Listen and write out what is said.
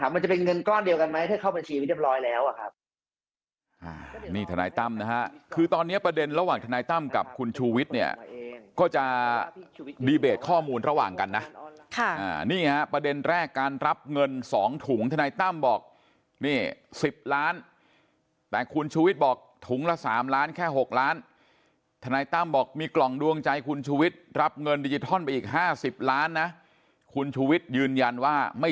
มันจะเป็นเงินก้อนเดียวกันไหมถ้าเข้าบัญชีเรียบร้อยแล้วครับ